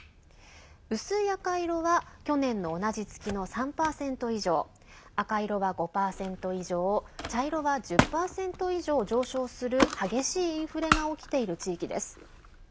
薄い赤色は去年の同じ月の３％以上赤色は５％以上茶色は１０％以上上昇する激しいインフレが起きている地域です。